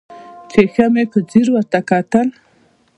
چې ښه مې په ځير ورته وکتل.